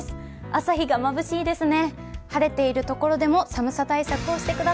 朝日がまぶしいですね。